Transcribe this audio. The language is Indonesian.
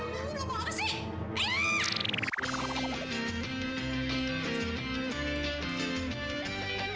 kudu mau apa sih